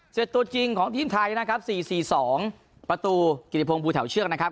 ตัวจริงของทีมไทยนะครับ๔๔๒ประตูกิริพงศ์ภูแถวเชือกนะครับ